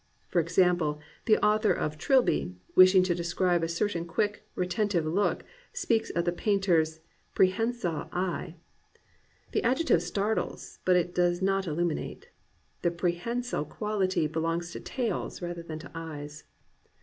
For example, the author of Trilby , wishing to describe a certain quick, retentive look, speaks of the painter's "'prehensile eye." The adjective startles, but does not illuminate. The prehensile quahty belongs to tails rather than to eyes.